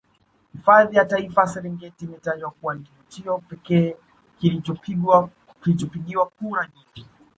Hifadhi ya Taifa ya Serengeti imetajwa kuwa ni kivutio pekee kilichopigiwa kura nyingi